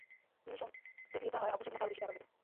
মিমি শোন, যদি এটা হয় অবশ্যই তোমাকে আরো বেশি টাকা দিবো।